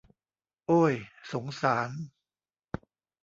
โอ้ย สงสาร